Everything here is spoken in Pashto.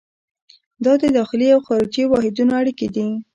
دا د داخلي او خارجي واحدونو اړیکې دي.